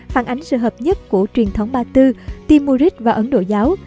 phản ánh sự hợp nhất của truyền thống ba tư timoris và ấn độ giáo